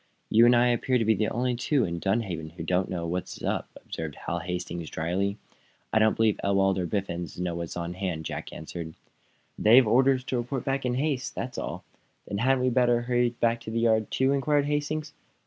"You and I appear to be the only two in Dunhaven who don't know what is up," observed Hal Hastings, dryly. "I don't believe Ewald or Biffens know what is on hand," Jack answered. "They've orders to report back in haste. That's all." "Then hadn't we better hurry back to the yard, too?" inquired Hastings.